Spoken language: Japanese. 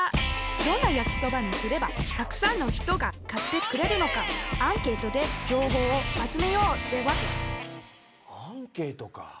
どんな焼きそばにすればたくさんの人が買ってくれるのかアンケートで情報を集めようってわけアンケートか。